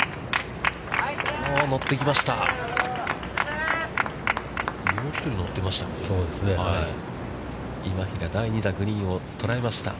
乗ってきました。